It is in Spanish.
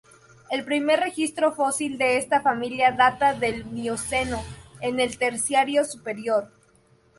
El primer registro fósil de esta familia data del Mioceno, en el Terciario superior.